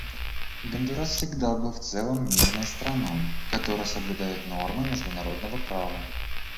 Гондурас всегда был в целом мирной страной, которая соблюдает нормы международного права.